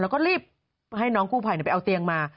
แล้วก็รีบให้น้องกู้ภัยไปเอาเตียงมา